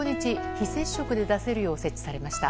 非接触で出せるよう設置されました。